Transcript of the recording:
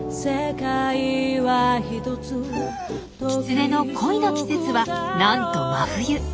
キツネの恋の季節はなんと真冬。